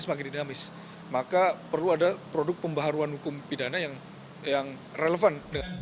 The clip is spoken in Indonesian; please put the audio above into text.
maka perlu ada produk pembaharuan hukum pidana yang relevan